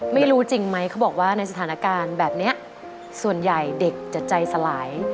ไม่รู้จริงไหมเขาบอกว่าในสถานการณ์แบบนี้ส่วนใหญ่เด็กจะใจสลาย